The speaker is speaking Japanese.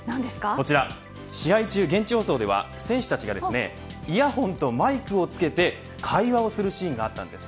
こちら試合中、現地放送では選手たちがイヤホンとマイクを着けて会話をするシーンがあったんです。